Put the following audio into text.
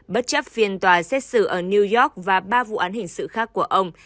bất chấp phiên tòa xét xử ở new york và ba vụ án hình sự khác của ông